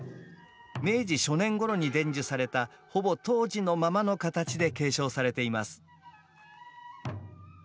明治初年ごろに伝授されたほぼ当時のままの形で継承されています。